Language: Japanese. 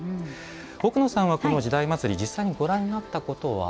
奥野さんは「時代祭」実際にご覧になったことは？